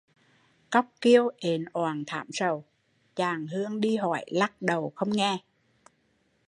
Cóc kêu ện oạng thảm sầu, chàng hương đi hỏi lắc đầu không nghe